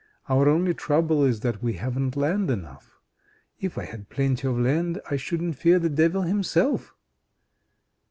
Our only trouble is that we haven't land enough. If I had plenty of land, I shouldn't fear the Devil himself!"